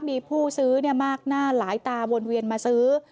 มีผู้ซื้อมากหน้าหลายตาวนเวียนมาซื้อ